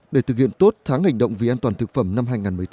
để thực hiện tốt tháng hành động vì an toàn thực phẩm năm hai nghìn một mươi tám